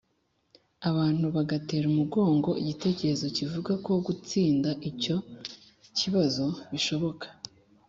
abantu bagatera umugongo igitekerezo kivuga ko gutsinda icyo kibazo bishoboka.